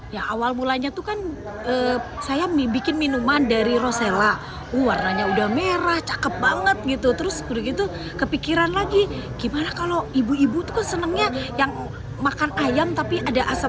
yang awal mulanya itu kan saya membuat minuman dari rosella warnanya udah merah cakep banget gitu terus begitu kepikiran lagi gimana kalau ibu ibu itu senangnya yang makan ayam tapi ada asam asam